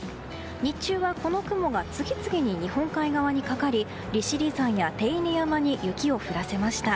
日中はこの雲が次々に日本海側にかかり利尻山や手稲山に雪を降らせました。